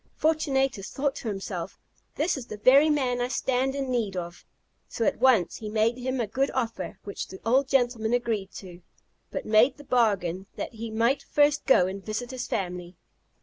Fortunatus thought to himself, "This is the very man I stand in need of;" so at once he made him a good offer, which the old gentleman agreed to, but made the bargain that he might first go and visit his family.